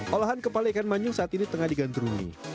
olahan kepala ikan manyuk saat ini tengah digantungi